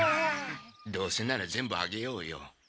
どうせなら全部あげようよ。